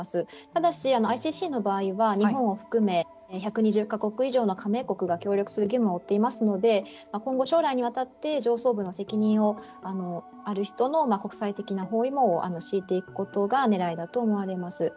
ただしＩＣＣの場合は日本を含め１２０か国以上の加盟国が協力する義務を負っていますので今後、将来にわたって上層部の責任ある人の国際的な包囲網を敷いていくことがねらいだと思われます。